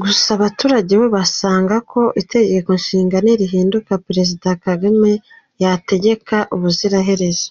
Gusa abaturage bo basabaga ko itegekonshinga nirihinduka Perezida Kagame yategeka ubuziraherezo.